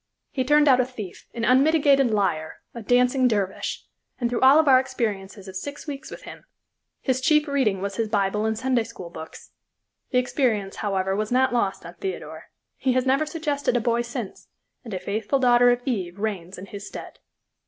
He turned out a thief, an unmitigated liar, a dancing dervish, and, through all our experiences of six weeks with him, his chief reading was his Bible and Sunday school books. The experience, however, was not lost on Theodore he has never suggested a boy since, and a faithful daughter of Eve reigns in his stead.